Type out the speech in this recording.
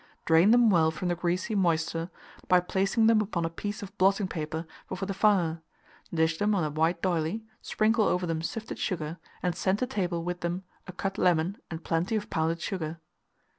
Drain them well from the greasy moisture by placing them upon a piece of blotting paper before the fire; dish them on a white d'oyley, sprinkle over them sifted sugar, and send to table with them a cut lemon and plenty of pounded sugar.